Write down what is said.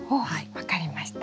分かりました。